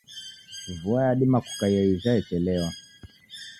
Vua yadima kukaia ija yechelewa.